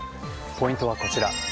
ポイントはこちら。